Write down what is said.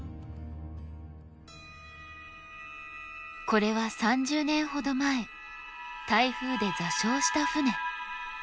これは３０年ほど前台風で座礁した船。